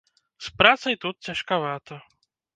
З працай тут цяжкавата.